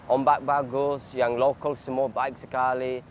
ombak bagus yang lokal semua baik sekali